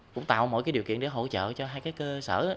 cũng tạo mọi điều kiện để hỗ trợ cho hai cái cơ sở